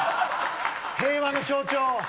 平和の象徴を。